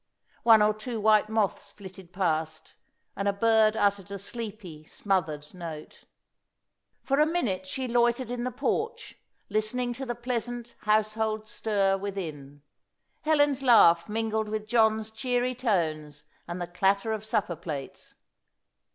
One or two white moths flitted past, and a bird uttered a sleepy, smothered note. For a minute she loitered in the porch, listening to the pleasant, household stir within. Helen's laugh mingled with John's cheery tones and the clatter of supper plates.